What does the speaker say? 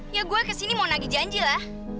ya gue kesini mau nagi janji lah